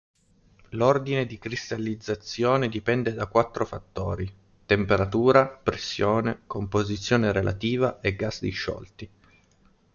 L'ordine di cristallizzazione dipende da quattro fattori: temperatura, pressione, composizione relativa e gas disciolti.